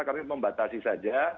kami membatasi saja